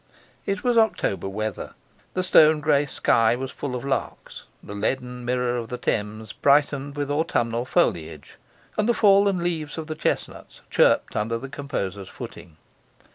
It was October weather; the stone grey sky was full of larks, the leaden mirror of the Thames brightened with autumnal foliage, and the fallen leaves of the chestnuts chirped under the composer's footing.